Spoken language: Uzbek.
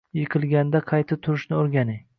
Yiqilganda qayta turishni o’rganing